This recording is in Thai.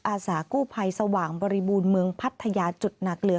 อาสากู้ภัยสว่างบริบูรณ์เมืองพัทยาจุดหนักเหลือ